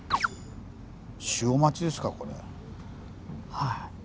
はい。